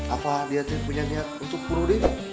apa dia tuh punya niat untuk bunuh diri